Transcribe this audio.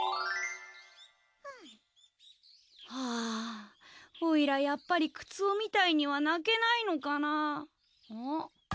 あぁオイラやっぱりクツオみたいには鳴けないのかな。